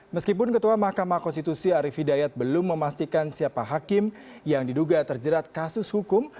meskipun ketua mahkamah konstitusi arief hidayat belum memastikan siapa hakim yang diduga terjerat kasus hukum